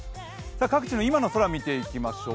各地の今の空、見ていきましょう。